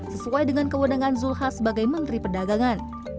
sesuai dengan kewenangan zulkifli hasan sebagai menteri perdagangan